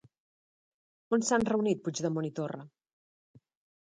On s'han reunit Puigdemont i Torra?